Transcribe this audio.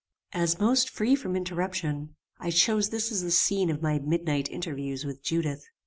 "As most free from interruption, I chose this as the scene of my midnight interviews with Judith.